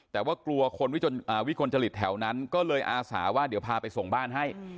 แต่ว่ากลัวคนวิกลจริตแถวนั้นก็เลยอาสาว่าเดี๋ยวพาไปส่งบ้านให้